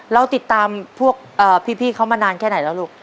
เราติดตามพวกพี่เขามานานแค่ไหนแล้วลูก